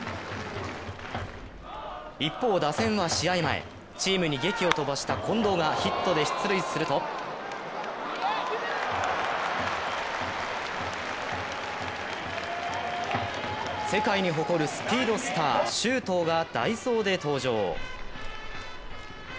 一方、打線は試合前チームにげきを飛ばした近藤がヒットで出塁すると世界に誇るスピードスター・周東が代走で登場。